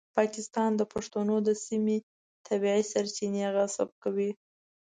پاکستان د پښتنو د سیمې طبیعي سرچینې غصب کوي.